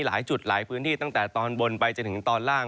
หลายจุดหลายพื้นที่ตั้งแต่ตอนบนไปจนถึงตอนล่าง